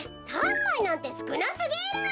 ３まいなんてすくなすぎる。